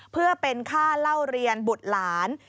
เพื่อเป็นค่าเล่าเรียนบุตรหลาน